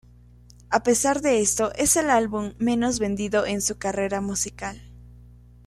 A pesar de esto es el álbum menos vendido en su carrera musical.